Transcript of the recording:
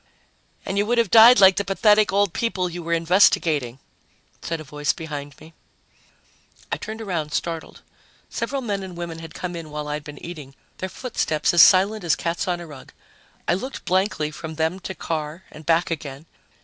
"And you would have died like the pathetic old people you were investigating," said a voice behind me. I turned around, startled. Several men and women had come in while I'd been eating, their footsteps as silent as cats on a rug. I looked blankly from them to Carr and back again.